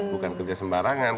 bukan kerja sembarangan